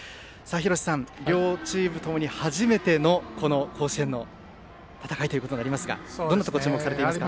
廣瀬さん、両チーム共に初めての甲子園の戦いとなりますがどんなところに注目されてますか。